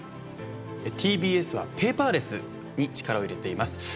ＴＢＳはペーパーレスに力を入れています。